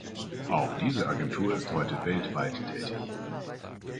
Auch diese Agentur ist heute weltweit tätig.